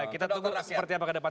kita tunggu seperti apa kedepan